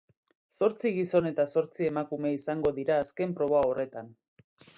Zortzi gizon eta zortzi emakume izango dira azken proba horretan.